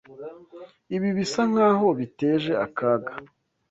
Ibi bisa nkaho biteje akaga.